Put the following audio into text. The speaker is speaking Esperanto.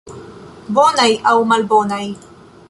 Bonaj aŭ malbonaj?